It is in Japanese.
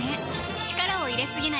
力を入れすぎない